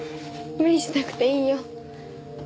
無理しなくていいよ。